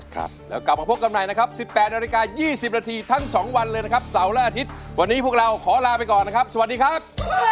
ครับแล้วกลับมาพบกันใหม่นะครับ๑๘นาฬิกา๒๐นาทีทั้ง๒วันเลยนะครับเสาร์และอาทิตย์วันนี้พวกเราขอลาไปก่อนนะครับสวัสดีครับ